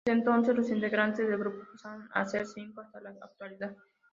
Desde entonces los integrantes del grupo pasaron a ser cinco, hasta la actualidad.